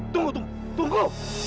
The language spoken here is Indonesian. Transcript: tunggu tunggu tunggu